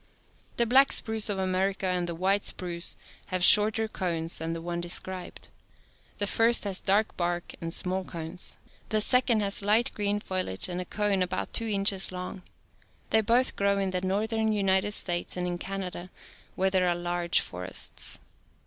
The black spruce of America and the white spruce have shorter cones than the one described. The first'has dark bark and small cones ; the second has light green foliage and a cone about two inches long. They both grow in the northern United States and in Canada where there are large forests.